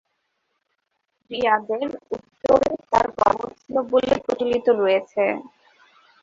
রিয়াদের উত্তরে তার কবর ছিল বলে প্রচলিত রয়েছে।